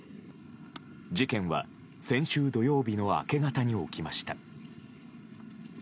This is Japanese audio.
事件は先週土曜日の明け方に起きました。